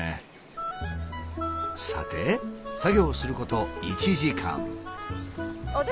さて作業すること１時間。